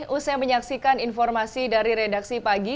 usai menyaksikan informasi dari redaksi pagi